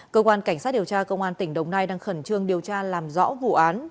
cơ quan cảnh sát điều tra công an tỉnh đồng nai đang khẩn trương điều tra làm rõ vụ án